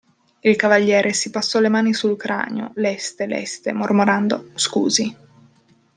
Il cavaliere si passò le mani sul cranio, leste, leste, mormorando: Scusi.